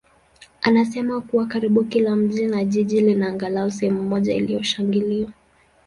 anasema kuwa karibu kila mji na jiji lina angalau sehemu moja iliyoshangiliwa.